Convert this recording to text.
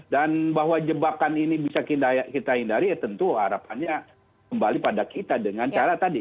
dan bahwa jebakan ini bisa kita hindari ya tentu harapannya kembali pada kita dengan cara tadi